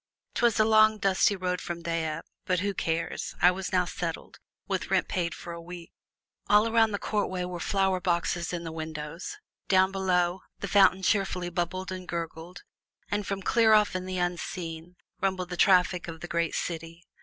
'Twas a long, dusty ride from Dieppe, but who cares I was now settled, with rent paid for a week! All around the courtway were flower boxes in the windows; down below, the fountain cheerfully bubbled and gurgled, and from clear off in the unseen rumbled the traffic of the great city.